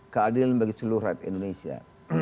keadilan bagi seluruh rakyat indonesia